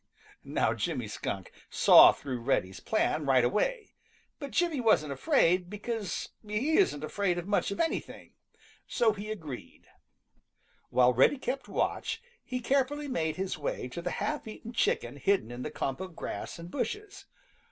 Now Jimmy Skunk saw through Reddy's plan right away, but Jimmy wasn't afraid, because he isn't afraid of much of anything, so he agreed. While Reddy kept watch, he carefully made his way to the half eaten chicken hidden in the clump of grass and bushes.